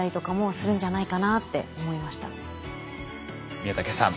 宮竹さん